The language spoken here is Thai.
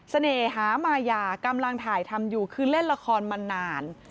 หามายากำลังถ่ายทำอยู่คือเล่นละครมานาน